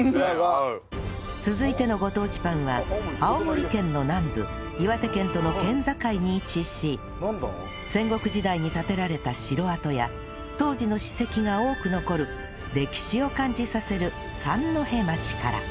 続いてのご当地パンは青森県の南部岩手県との県境に位置し戦国時代に建てられた城跡や当時の史跡が多く残る歴史を感じさせる三戸町から